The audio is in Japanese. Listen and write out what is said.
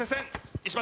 石橋！